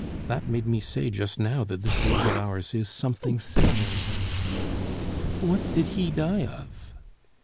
That made me say just now that this age of ours is something sickening." "What did he die of?"